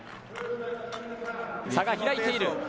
差が開いている。